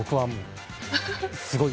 すごい。